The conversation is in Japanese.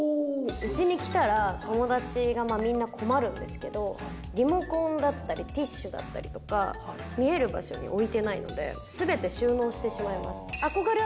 うちに来たら、友達がみんな困るんですけれども、リモコンだったり、ティッシュだったりとか、見える場所に置いてないので、すべて収納してしまいます。